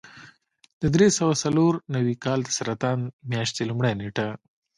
د درې سوه څلور نوي کال د سرطان میاشتې لومړۍ نېټه.